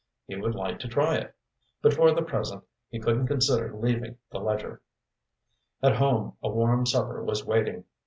He would like to try it. But for the present he couldn't consider leaving the Ledger. At home a warm supper was waiting.